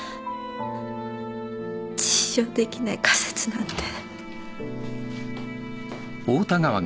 実証できない仮説なんて。